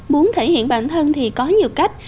muốn thể hiện bản thân thì có nhiều cách